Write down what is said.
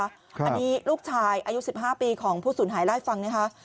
อันนี้ลูกชายอายุ๑๕ปีของผู้ศูนย์หายลายฟังนะคะ